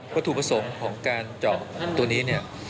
พิธีถูกผสมของการเจาะตัวนี้